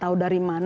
tahu dari mana